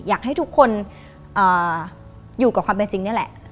อยากให้ทุกคนอยู่กับความเป็นจริงนี่แหละ